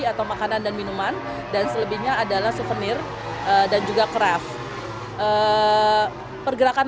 atau makanan dan minuman dan selebihnya adalah souvenir dan juga craft pergerakan